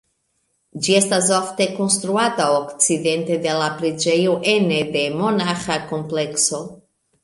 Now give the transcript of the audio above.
Ĝi estas ofte konstruata okcidente de la preĝejo ene de monaĥa komplekso.